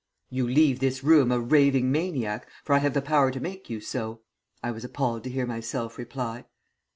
"'You leave this room a raving maniac, for I have the power to make you so,' I was appalled to hear myself reply."